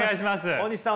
大西さん